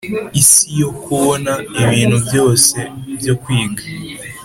isi yo kubona, ibintu byose byo kwiga.